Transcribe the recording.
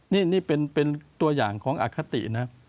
นี่นี่เป็นเป็นตัวอย่างของอคตินะ